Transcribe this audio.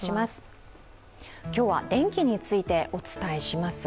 今日は電気についてお伝えします。